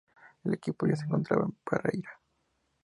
El equipo ya se encontraba en Pereira.